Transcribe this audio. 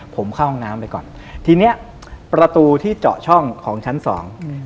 ผมเข้าห้องน้ำไปก่อนทีเนี้ยประตูที่เจาะช่องของชั้นสองอืม